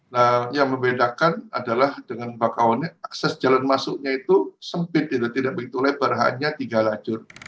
nah yang membedakan adalah dengan bakaunya akses jalan masuknya itu sempit tidak begitu lebar hanya tiga lajur